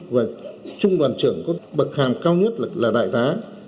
và trung đoàn trưởng có bậc hàm cao nhất là đại tá